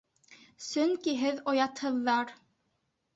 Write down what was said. Сөнки һеҙ оятһыҙҙар!